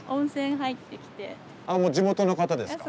あもう地元の方ですか？